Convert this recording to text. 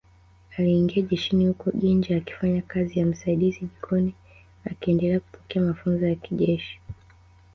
Aliingia jeshini huko Jinja akifanya kazi ya msaidizi jikoni akiendelea kupokea mafunzo ya kijeshi